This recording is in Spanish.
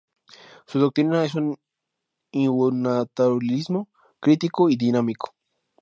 Su doctrina es un iusnaturalismo crítico y dinámico.